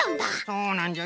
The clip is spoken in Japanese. そうなんじゃ。